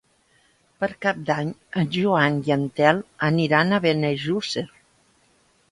Per Cap d'Any en Joan i en Telm aniran a Benejússer.